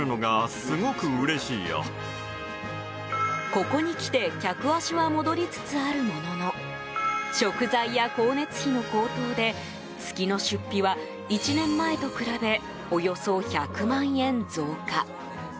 ここに来て客足は戻りつつあるものの食材や光熱費の高騰で月の出費は１年前と比べおよそ１００万円増加。